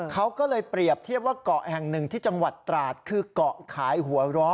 เค้าก็เลยเปรียบเทียบว่ากะอังหนึ่งที่จังหวัดตราธิ์คือขะขายหัวละ